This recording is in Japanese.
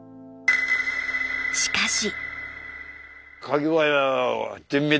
しかし。